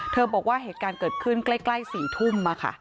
บอกว่าเหตุการณ์เกิดขึ้นใกล้๔ทุ่ม